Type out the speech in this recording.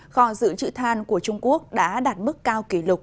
gò dự trị than của trung quốc đã đạt mức cao kỷ lục